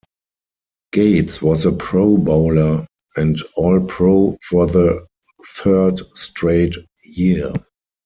Gates was a Pro Bowler and All-Pro for the third straight year.